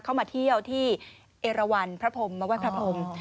เข้ามาเที่ยวที่เอราวันพระพรมมาไหว้พระพรม